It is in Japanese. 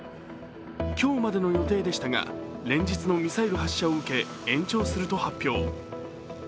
今日までの予定でしたが連日のミサイル発射を受け延長すると発表。